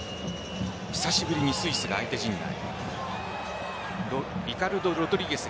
久しぶりにスイスが相手陣内。